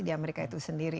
di amerika itu sendiri